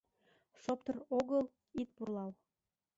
Шоптыр огыл — ит пурлал.